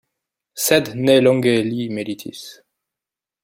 Sed ne longe li meditis.